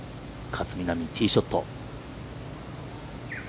勝みなみ、ティーショット。